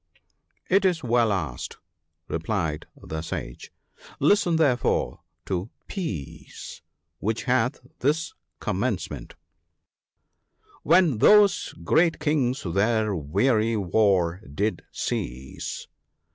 "It is well asked," replied the Sage ;" listen therefore to * Peace/ which hath this commence ment —" When those great Kings their weary war did cease.